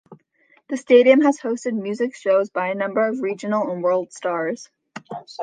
The stadium has hosted music shows by a number of regional and world stars.